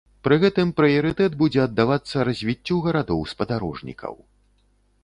Пры гэтым прыярытэт будзе аддавацца развіццю гарадоў-спадарожнікаў.